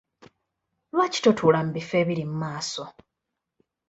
Lwaki totuula mu bifo ebiri mu maaso?